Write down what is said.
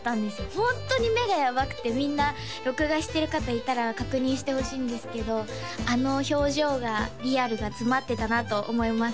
ホントに目がやばくてみんな録画してる方いたら確認してほしいんですけどあの表情がリアルが詰まってたなと思います